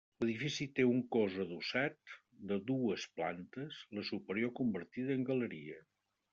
L'edifici té un cos adossat, de dues plantes, la superior convertida en galeria.